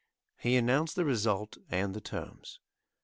He announced the result and the terms.